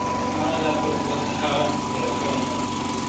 ما لاتر اوسه هغه هېره کړې نه ده.